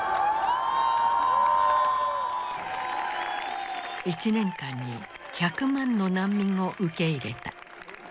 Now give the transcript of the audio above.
１年間に１００万の難民を受け入れた。